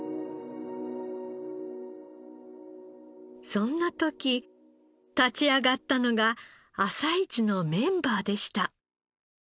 そんな時立ち上がったのが朝市のメンバーでした。